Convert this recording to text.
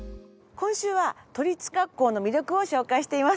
今週は都立学校の魅力を紹介しています。